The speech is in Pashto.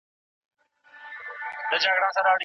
د ټولني حقيقي عايد د پام وړ زياتوالی موندلی دی.